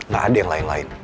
gak ada yang lain lain